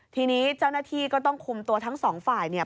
ทีนี้เจ้าหน้าที่ก็ต้องคุมตัวทั้งสองฝ่ายเนี่ย